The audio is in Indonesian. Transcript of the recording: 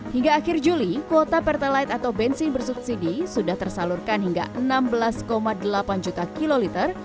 hingga akhir juli kuota perthelite atau bensin bersubsidi sudah tersalurkan hingga enam belas delapan juta kiloliter dari kuota yang ditetapkan oleh regulator sebesar dua puluh tiga juta kiloliter